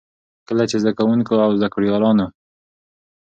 کله چې زده کـوونـکو او زده کړيـالانـو